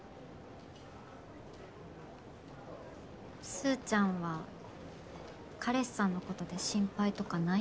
すーちゃんは彼氏さんのことで心配とかない？